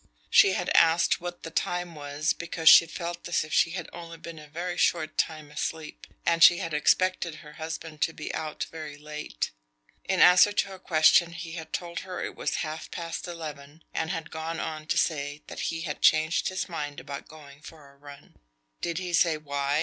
She had asked what the time was because she felt as if she had only been a very short time asleep, and she had expected her husband to be out very late. In answer to her question he had told her it was half past eleven, and had gone on to say that he had changed his mind about going for a run. "Did he say why?"